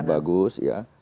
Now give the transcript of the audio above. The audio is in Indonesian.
cukup bagus ya